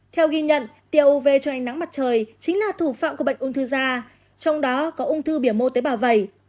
theo ghi nhận tiêu uv cho ánh nắng mặt trời chính là thủ phạm của bệnh ung thư da trong đó có ung thư biểu mô tế bào vẩy